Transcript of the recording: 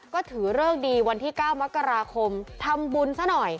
ก็ถือเลิกดีวันที่๙มกราคมทำบุญซะหน่อย